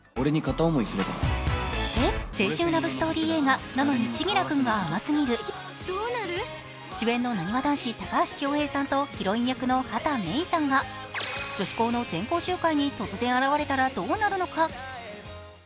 青春ラブストーリー映画「なのに、千輝くんが甘すぎる」主演のなにわ男子・高橋恭平さんとヒロイン役の畑芽育さんが女子高の全校集会に突然現れたらどうなるのか。